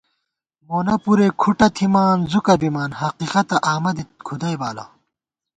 مونہ پُرے کُھٹہ تھِمان زُکہ بِمان، حقیقَتہ آمہ دی کھُدَئی بالہ